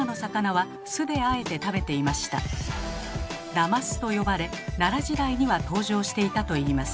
「なます」と呼ばれ奈良時代には登場していたといいます。